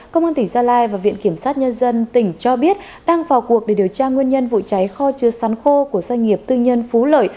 công an tỉnh gia lai và viện kiểm sát nhân dân tỉnh cho biết đang vào cuộc để điều tra nguyên nhân vụ cháy kho chứa sắn khô của doanh nghiệp tư nhân phú lợi